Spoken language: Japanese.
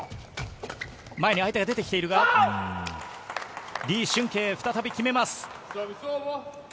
前に相手が出てきているが、リ・シュンケイ、再び決めます。